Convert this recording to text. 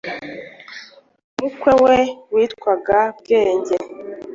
umukwe we witwaga bwenge